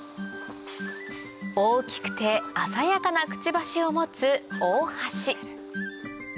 大きくて鮮やかなくちばしを持つオオハシ